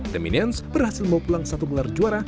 the minions berhasil membawa pulang satu miler juara